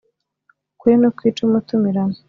Ukuri ntikwica umutumirano.